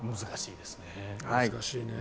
難しいですね。